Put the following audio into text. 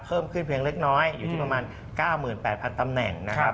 เพิ่มขึ้นเพียงเล็กน้อยอยู่ที่ประมาณ๙๘๐๐ตำแหน่งนะครับ